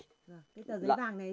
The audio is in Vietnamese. cái tờ giấy vàng này